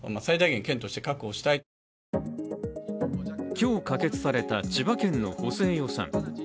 今日、可決された千葉県の補正予算。